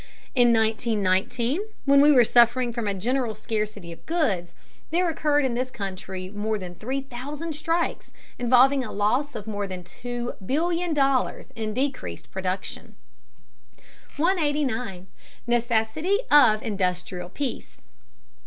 In 1919, when we were suffering from a general scarcity of goods, there occurred in this country more than three thousand strikes, involving a loss of more than $2,000,000,000 in decreased production. 189. NECESSITY OF INDUSTRIAL PEACE.